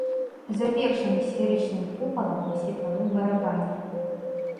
Завершаны сферычным купалам на светлавым барабане.